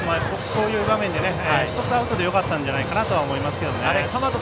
こういう場面で１つアウトでよかったんじゃないかなと思いますね。